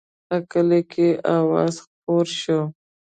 په کلي کې اوازه خپره شوه.